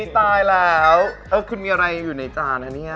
ตายแล้วคุณมีอะไรอยู่ในจานนะเนี่ย